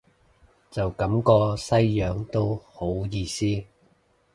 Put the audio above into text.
就噉個閪樣都好意思